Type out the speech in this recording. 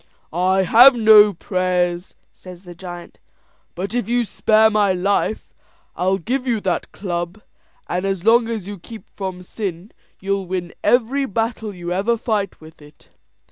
"I have no prayers," says the giant; "but if you spare my life I'll give you that club; and as long as you keep from sin, you'll win every battle you ever fight with it."